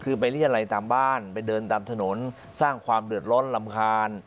คือไปเรียรัยตามบ้านไปเดินตามถนนสร้างความเดือดร้อนรำคาญ